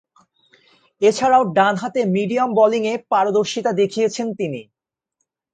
এছাড়াও, ডানহাতে মিডিয়াম বোলিংয়ে পারদর্শীতা দেখিয়েছেন তিনি।